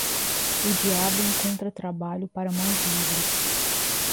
O diabo encontra trabalho para mãos livres.